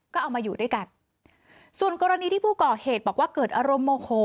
ก็เอามาอยู่ด้วยกันส่วนกรณีที่ผู้ก่อเหตุบอกว่าเกิดอารมณ์โมโห